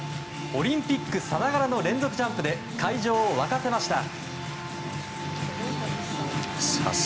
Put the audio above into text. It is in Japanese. オリンピックさながらの連続ジャンプで会場を沸かせました。